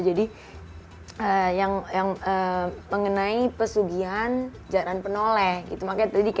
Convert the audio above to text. jadi yang mengenai pesugihan jalan penoleh gitu makanya tadi kayaknya